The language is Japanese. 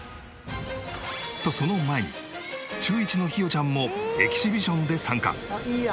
とその前に中１のヒヨちゃんもエキシビションで参加。